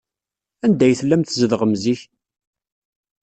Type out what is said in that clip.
Anda ay tellam tzedɣem zik?